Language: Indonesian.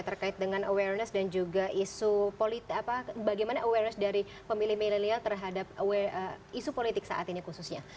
terkait dengan awareness dan juga isu bagaimana awareness dari pemilih milenial terhadap isu politik saat ini khususnya